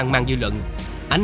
là quá lớn